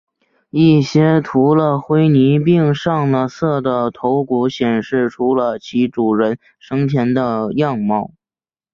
一些涂了灰泥并上了色的头骨显示出了其主人生前的样貌。